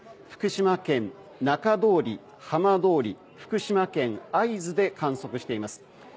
福島県中通り、浜通り福島県会津で観測しています。